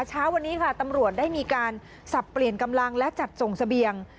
เช้าวันนี้ค่ะตำรวจได้มีการสับเปลี่ยนกำลังและจัดส่งเสบียง